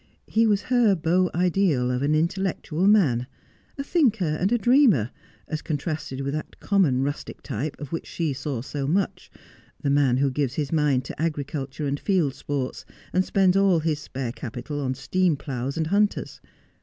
He was her beau ideal of an intellectual man, a thinker and dreamer, as contrasted with that common rustic type of which she saw so much, the man who gives his mind to agriculture and field sports, and spends all his spare capital on steam ploughs and hunters.